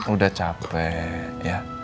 udah capek ya